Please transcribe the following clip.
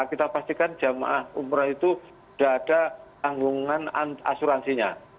kita pastikan jemaah umroh itu sudah ada tanggungan asuransinya